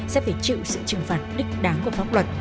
sẽ phải chịu sự trừng phạt đích đáng của pháp luật